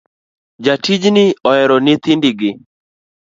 Jatijni ohero nyithindo gi